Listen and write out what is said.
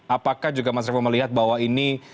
apakah juga mas revo melihat bahwa ini